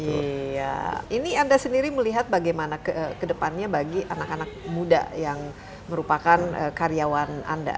iya ini anda sendiri melihat bagaimana ke depannya bagi anak anak muda yang merupakan karyawan anda